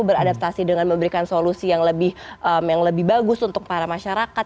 beradaptasi dengan memberikan solusi yang lebih bagus untuk para masyarakat